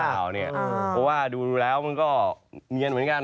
เพราะว่าดูแล้วมันก็เนียนเหมือนกัน